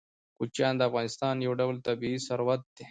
کوچیان د افغانستان یو ډول طبعي ثروت دی.